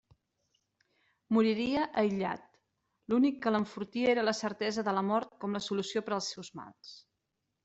Moriria aïllat; l'únic que l'enfortia era la certesa de la mort com la solució per als seus mals.